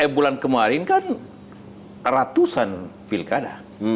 bulan kemarin kan ratusan pilkada